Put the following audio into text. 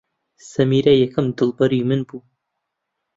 سەمیرە یەکەم دڵبەری من بوو.